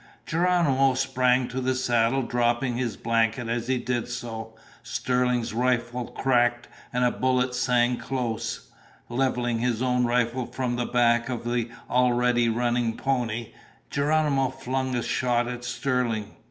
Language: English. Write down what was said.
Geronimo sprang to the saddle, dropping his blanket as he did so. Sterling's rifle cracked and a bullet sang close. Leveling his own rifle from the back of the already running pony, Geronimo flung a shot at Sterling.